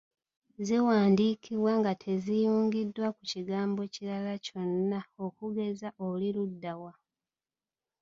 Ziwandiikibwa nga teziyungiddwa ku kigambo kirala kyonna okugeza oli ludda wa?